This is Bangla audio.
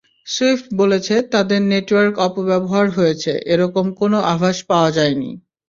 সুইফট বলেছে, তাদের নেটওয়ার্ক অপব্যবহার হয়েছে—এ রকম কোনো আভাস পাওয়া যায়নি।